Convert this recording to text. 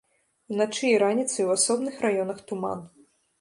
Уначы і раніцай у асобных раёнах туман.